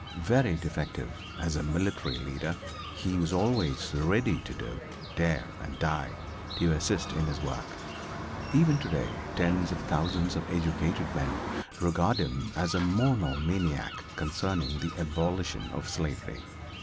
Very defective as a military leader he was always ready to do, dare and die to assist in this work. Even today tens of thousands of educated men regard him as a monomaniac concerning the abolition of slavery.